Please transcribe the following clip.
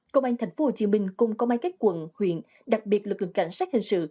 công an tp hcm cùng công an các quận huyện đặc biệt lực lượng cảnh sát hình sự